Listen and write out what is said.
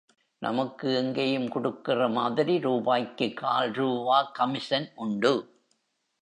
நமக்கு எங்கேயும் குடுக்கிற மாதிரி ரூபாய்க்கு கால் ரூவா கமிசன் உண்டு.